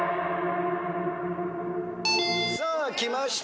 さあきました